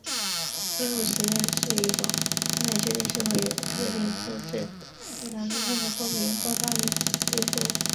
贴布试验是一种用来确定是否有特定物质会导致患者过敏性或发炎肌肤。